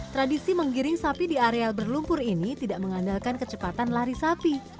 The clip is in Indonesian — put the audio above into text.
tradisi menggiring sapi di areal berlumpur ini tidak mengandalkan kecepatan lari sapi